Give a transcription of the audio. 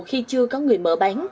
khi chưa có người mở bán